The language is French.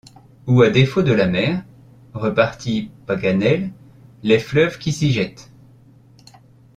Ou à défaut de la mer, repartit Paganel, les fleuves qui s’y jettent!